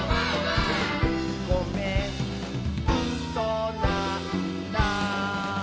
「ごめんうそなんだ」